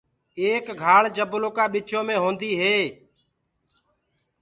ايڪ گھآݪ جبلو ڪآ وچو مينٚ هوندي هي۔